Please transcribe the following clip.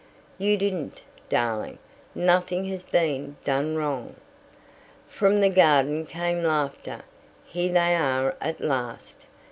"You didn't, darling. Nothing has been done wrong." From the garden came laughter. "Here they are at last!"